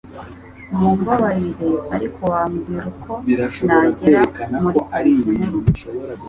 Mumbabarire ariko wambwira uko nagera muri Parike Nkuru?